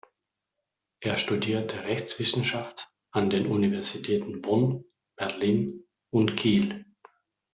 Er studierte Rechtswissenschaft an den Universitäten Bonn, Berlin und Kiel.